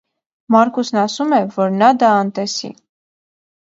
Մարկուսն ասում է, որ նա դա անտեսի։